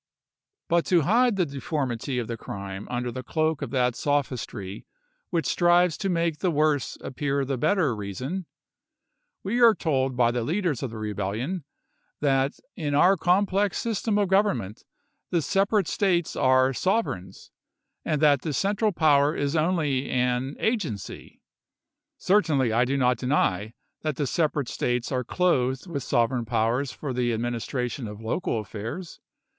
" But to hide the deformity of the crime under the cloak of that sophistry which strives to make the worse appear the better reason, we are told by the leaders of the Rebellion that in our complex system of government the separate States are * sovereigns,' and that the central power is only an * agency.' ... Certainly I do not deny that the separate States are clothed with sovereign powers for the LINCOLN'S GETTYSBUEG ADDRESS 197 administration of local affairs.